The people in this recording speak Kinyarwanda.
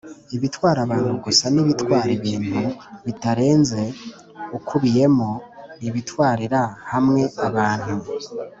ibitwara abantu gusa n’ibitwara ibintu bitarenze ukuyemo Ibitwarira hamwe abantu